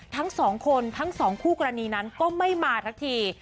ทั้งสองคนทั้งสองคู่กรณีนั้นก็ไม่มาทั้งที